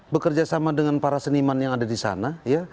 bekerja sama dengan para seniman yang ada di sana